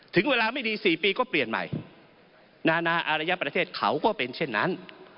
ถึงเวลาไม่ดี๔ปีก็เปลี่ยนใหม่นานาอารยประเทศเขาก็เป็นเช่นนั้น